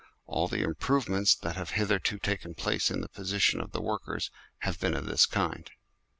All the improvements that have hitherto taken place in the position of the workers have been of this kind.